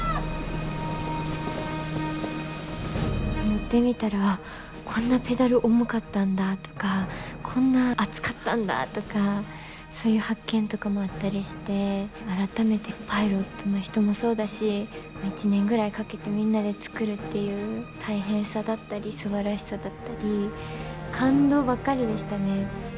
乗ってみたらこんなペダル重かったんだとかこんな暑かったんだとかそういう発見とかもあったりして改めてパイロットの人もそうだし１年ぐらいかけてみんなで作るっていう大変さだったりすばらしさだったり感動ばっかりでしたね。